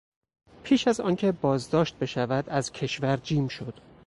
پیش از آنکه بازداشت بشود از کشور جیم شد.